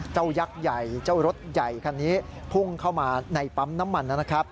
ยักษ์ใหญ่เจ้ารถใหญ่คันนี้พุ่งเข้ามาในปั๊มน้ำมันนะครับ